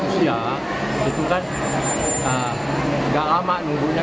berusia itu kan gak amat nunggunya